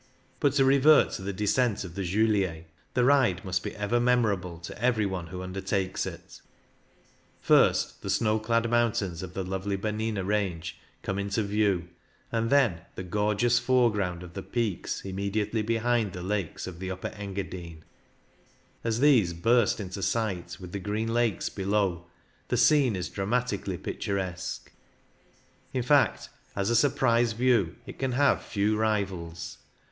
But to revert to the descent of the Julier — the ride must be ever memorable to every one who undertakes it. First the snow clad moun tains of the lovely Bernina range come into view, and then the gorgeous foreground of the peaks immediately behind the lakes of the Upper Engadine, As these burst into sight, with the green lakes below, the scene is dramatically picturesque ; in fact, as a surprise view, it can have few rivals.